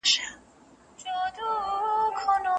تېره شپه یې تر سترګو کېده چې څرنګه یې ساه ډوبېده.